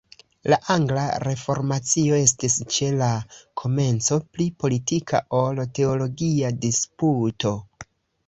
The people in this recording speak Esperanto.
La angla reformacio estis ĉe la komenco pli politika ol teologia disputo.